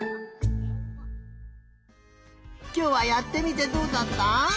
きょうはやってみてどうだった？